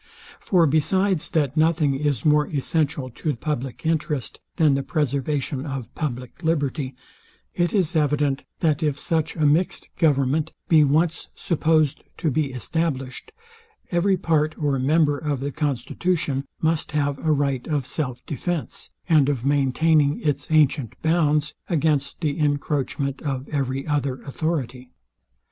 For besides that nothing is more essential to public interest, than the preservation of public liberty; it is evident, that if such a mixed government be once supposed to be established, every part or member of the constitution must have a right of self defence, and of maintaining its ancient bounds against the encroachment of every other authority.